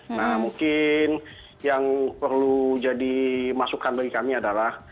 nah mungkin yang perlu jadi masukan bagi kami adalah